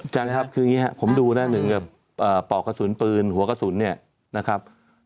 จังครับคืออย่างนี้ครับผมดูนะหนึ่งกับปอกกระสุนปืนหัวกระสุนเนี่ยนะครับ